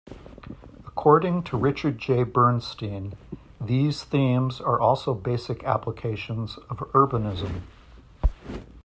According to Richard J. Bernstein, "these themes are also basic applications of urbanism".